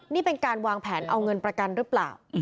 นี่เป็นการวางแผนเอาเงินประกันหรือเปล่า